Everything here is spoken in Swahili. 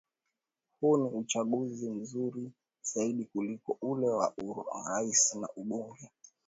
huu ni uchaguzi mzuri zaidi kuliko ule wa urais na ubunge